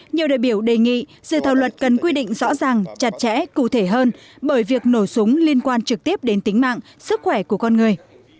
nhiều đại biểu đề nghị dự thảo luật cần quy định rõ ràng chặt chẽ cụ thể hơn bởi việc nổ súng liên quan trực tiếp đến tính mạng sức khỏe của con người